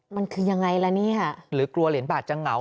มันคือยังไงล่ะนี่ค่ะหรือกลัวเหรียญบาทจะเหงา